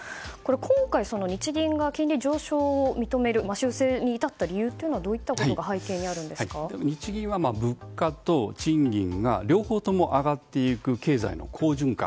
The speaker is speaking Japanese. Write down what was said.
今回、日銀が金利上昇を認める修正に至った理由はどういったことが日銀は物価と賃金が両方とも上がっていく経済の好循環